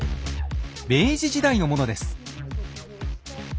明治時代のものです。